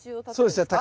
そうですね。